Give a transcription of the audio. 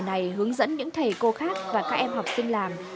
cay đúng không